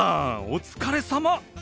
お疲れさま。